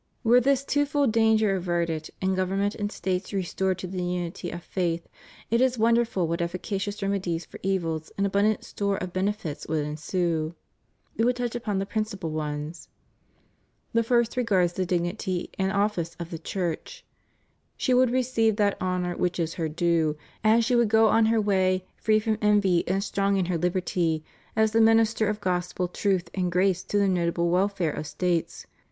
Were this twofold danger averted, and govermnent and States restored to the unity of faith, it is wonderful what efficacious remedies for evils and abundant store of benefits would ensue. We will touch upon the principal ones. The first regards the dignity and office of the Church. She would receive that honor which is her due and she would go on her way, free from envy and strong in her liberty, as the minister of Gospel truth and grace to the notable welfare of States.